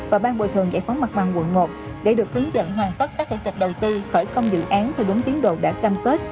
và ban bồi thường giải phóng mặt bằng quận một để được hướng dẫn hoàn tất các thủ tục đầu tư khởi công dự án theo đúng tiến độ đã cam kết